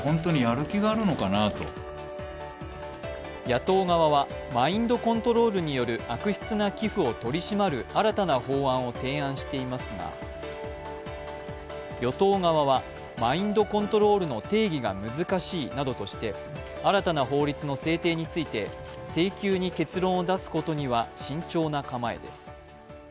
野党側は、マインドコントロールによる悪質な寄付を取り締まる新たな法案を提案していますが与党側はマインドコントロールの定義が難しいとして新たな法律の制定について性急に結論を出すことには慎重な構えです。